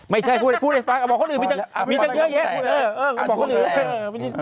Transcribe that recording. ไม่ใช่พูดให้ฟังบอกคนอื่นมีตั้งเยอะแยะ